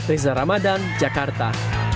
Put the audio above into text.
riza ramadan jakarta